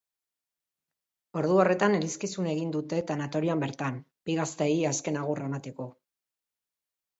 Ordu horretan elizkizun egin dute tanatorioan bertan bi gazteei azken agurra emateko.